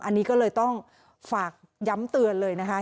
อันนี้ก็เลยต้องฝากย้ำเตือนเลยนะคะ